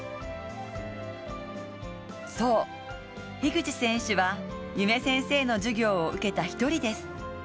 そう、樋口選手は夢先生の授業を受けた一人です。